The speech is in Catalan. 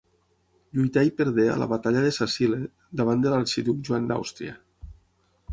Lluità i perdé a la Batalla de Sacile davant de l'arxiduc Joan d'Àustria.